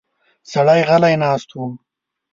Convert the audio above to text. سړی غلی ناست و.